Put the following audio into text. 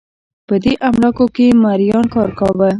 په دې املاکو کې مریانو کار کاوه